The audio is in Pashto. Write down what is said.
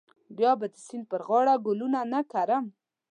بیا به د سیند پر غاړه ګلونه نه کرم.